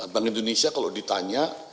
bank indonesia kalau ditanya